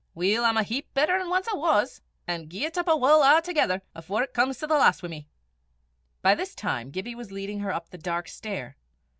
Weel, I'm a heap better nor ance I was, an' gie 't up I wull a'thegither afore it comes to the last wi' me." By this time Gibbie was leading her up the dark stair.